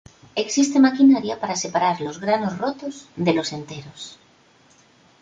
Existe maquinaria para separar los granos rotos de los enteros.